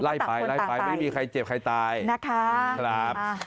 ไล่ไปไล่ไปไม่มีใครเจ็บใครตายนะคะครับ